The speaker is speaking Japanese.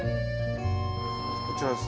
こちらです。